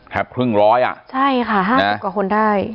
ครึ่งร้อยอ่ะใช่ค่ะ๕๐กว่าคนได้